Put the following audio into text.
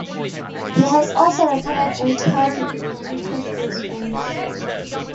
He has also recorded and toured with Foetus and Swans.